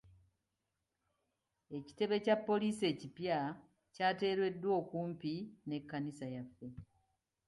Ekitebe kya poliisi ekipya kyateereddwa okumpi n'ekkanisa yaffe.